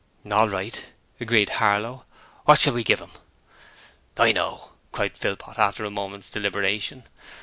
'All right,' agreed Harlow. 'What shall we give 'em?' 'I know!' cried Philpot after a moment's deliberation.